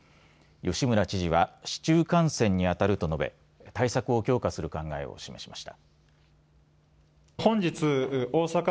吉村知事は市中感染にあたると述べ対策を強化する考えを示しました。